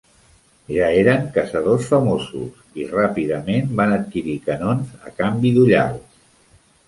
Ja eren caçadors famosos i ràpidament van adquirir canons a canvi d'ullals.